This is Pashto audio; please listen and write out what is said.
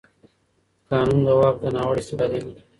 قانون د واک د ناوړه استفادې مخه نیسي.